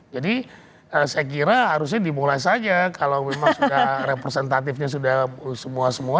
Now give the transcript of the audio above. saya kira harusnya dimulai saja kalau memang sudah representatifnya sudah semua semua